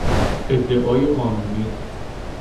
ادعای قانونی